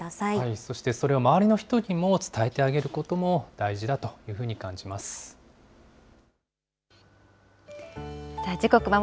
そしてそれを周りの人にも伝えてあげることも大事だというふうに感じます。